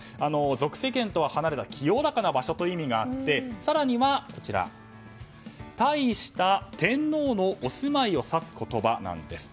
俗世間から離れた清らかな場所という意味があって更には、退位した天皇のお住まいを指す言葉なんです。